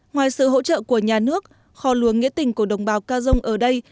ngoài sự hỗ trợ của nhà nước kho lúa nghĩa tình của đồng bào ca dông ở đây